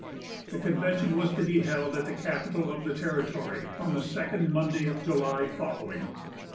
The convention was to be held at the capital of the territory, on the second Monday of July following.